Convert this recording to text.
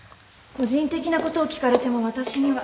個人的なことを聞かれてもわたしには。